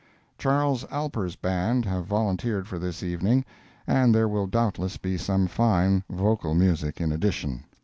Charles Alper's Band have volunteered for this evening, and there will doubtless be some fine vocal music in addition.